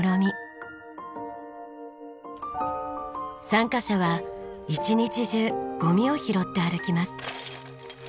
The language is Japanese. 参加者は一日中ゴミを拾って歩きます。